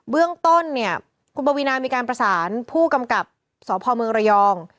เรื่องต้นเนี่ยคุณปวีนามีการประสานผู้กำกับสพเมืองระยอง